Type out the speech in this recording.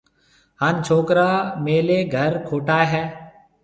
ھان ڇوڪرا ميليَ گھر کوٽائيَ ھيََََ